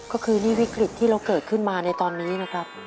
ก็คือนี่วิกฤตที่เราเกิดขึ้นมาในตอนนี้นะครับ